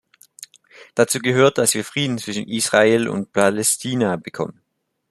Dazu gehört, dass wir Frieden zwischen Israel und Palästina bekommen.